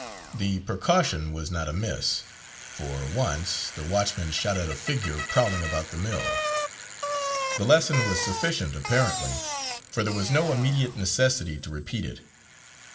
The precaution was not amiss, for once the watchman shot at a figure prowling about the mill. The lesson was sufficient, apparently, for there was no immediate necessity to repeat it.